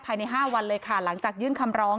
ภายใน๕วันหลังจากยื่นคำร้อง